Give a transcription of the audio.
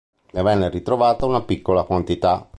Ne venne ritrovata una piccola quantità.